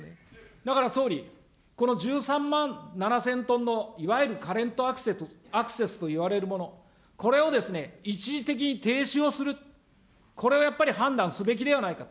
だから総理、この１３万７０００トンのいわゆるカレント・アクセスといわれるもの、これを一時的に停止をする、これをやっぱり判断すべきではないかと。